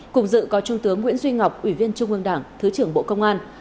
cùng dự có trung tướng nguyễn duy ngọc ủy viên trung ương đảng thứ trưởng bộ công an